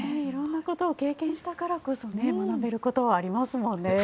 色んなことを経験したからこそ学べることはありますもんね。